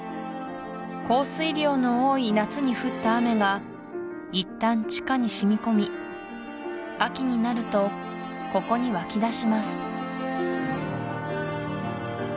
降水量の多い夏に降った雨がいったん地下にしみ込み秋になるとここに湧き出します